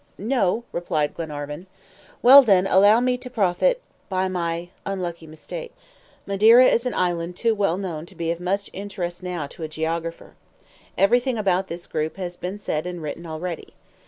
"No," replied Glenarvan. "Well, then, allow me to profit by my unlucky mistake. Madeira is an island too well known to be of much interest now to a geographer. Every thing about this group has been said and written already.